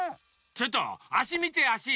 ちょっとあしみてあし。